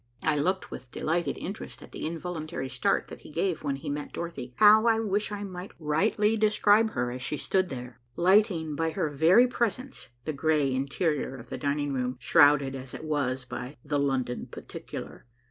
I looked with delighted interest at the involuntary start that he gave when he met Dorothy. How I wish I might rightly describe her as she stood there, lighting by her very presence the gray interior of the dining room, shrouded as it was by the "London particular."